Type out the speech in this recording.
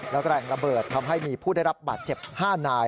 และแรงระเบิดทำให้มีผู้ได้รับบาดเจ็บ๕นาย